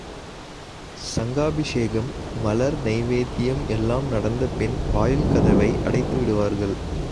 சங்காபிஷேகம், மலர் நைவேத்தியம் எல்லாம் நடந்தபின் வாயில் கதவை அடைத்து விடுவார்கள்.